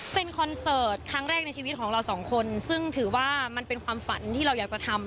เป็นคอนเสิร์ตครั้งแรกในชีวิตของเราสองคนซึ่งถือว่ามันเป็นความฝันที่เราอยากจะทำ